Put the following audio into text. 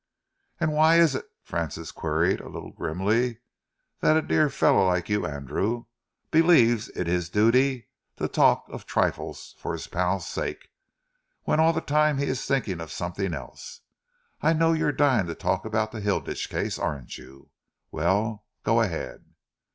"And why is it," Francis queried, a little grimly, "that a dear fellow like you, Andrew, believes it his duty to talk of trifles for his pal's sake, when all the time he is thinking of something else? I know you're dying to talk about the Hilditch case, aren't you? Well, go ahead."